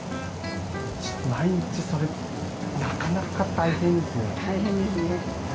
毎日それなかなか大変ですね。